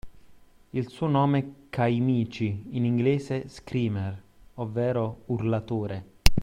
Il suo nome "Kaimichi", in inglese “screamer”, ovvero urlatore